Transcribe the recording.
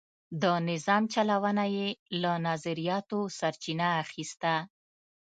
د نظام چلونه یې له نظریاتو سرچینه اخیسته.